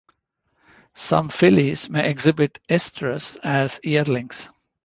Some fillies may exhibit estrus as yearlings.